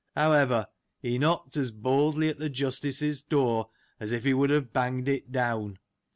However, he knocked as boldly at the Justice's door, as if he would have banged it down.